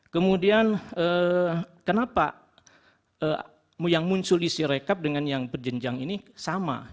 kemudian kenapa yang muncul isi rekap dengan yang berjenjang ini sama